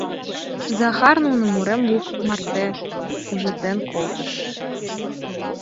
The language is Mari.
Захар нуным урем лук марте ужатен колтыш.